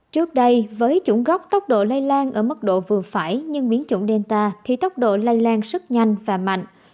trước đây với chủng góc tốc độ lây lan ở mức độ vừa phải nhưng biến chủng delta thì tốc độ lây lan rất nhanh và mạnh